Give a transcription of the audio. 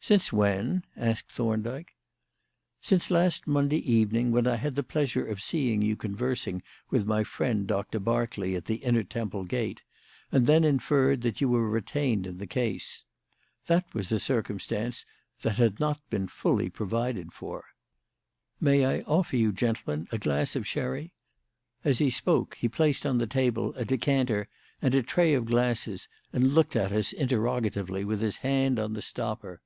"Since when?" asked Thorndyke. "Since last Monday evening, when I had the pleasure of seeing you conversing with my friend Doctor Berkeley at the Inner Temple gate, and then inferred that you were retained in the case. That was a circumstance that had not been fully provided for. May I offer you gentlemen a glass of sherry?" As he spoke he placed on the table a decanter and a tray of glasses, and looked at us interrogatively with his hand on the stopper.